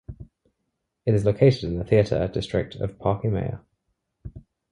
It is located in the theatre district of Parque Mayer.